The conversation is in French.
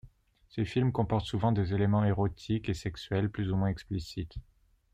Ses films comportent souvent des éléments érotiques et sexuels plus ou moins explicites.